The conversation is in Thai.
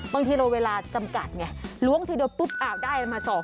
บางทีเราเวลาจำกัดไงล้วงทีเดียวปุ๊บได้มาสอบ